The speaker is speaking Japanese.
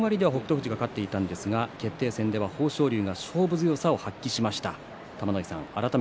富士が勝ちましたが決定戦では豊昇龍が勝負強さを発揮しました。